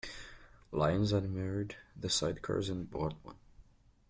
Lyons admired the sidecars and bought one.